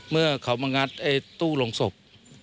เมื่อเขามางัดตู้ลงศพ